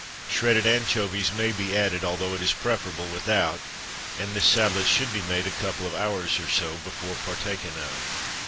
Shredded anchovies may be added, although it is preferable without; and this salad should be made a couple of hours or so before partaken of.